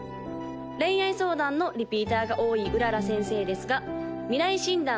恋愛相談のリピーターが多い麗先生ですが未来診断